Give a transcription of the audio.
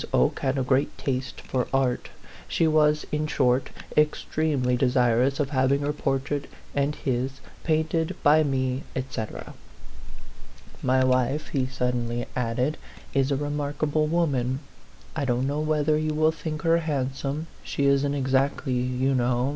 Oke had a great taste for art ; she was, in short, extremely de sirous of having her portrait and his painted by me, et cetera. " My wife," he suddenly added, " is a re markable woman. I don't know whether you will think her handsome she isn't ex actly, you kno\v.